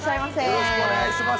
よろしくお願いします。